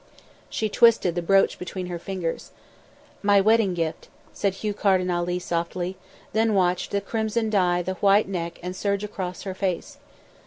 She twisted the brooch between her fingers. "My wedding gift," said Hugh Carden Ali softly, then watched the crimson dye the white neck and surge across her face.